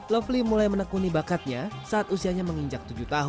lovely mulai menekuni bakatnya saat usianya menginjak